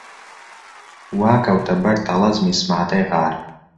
وا کەوتە بەر تەڵەزمی سماتەی غار